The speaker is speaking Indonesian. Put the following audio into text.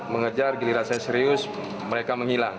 mengejar giliran saya serius mereka menghilang